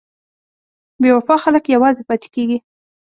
بې وفا خلک یوازې پاتې کېږي.